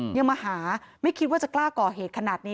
ยังมาหาไม่คิดว่าจะกล้าก่อเหตุขนาดนี้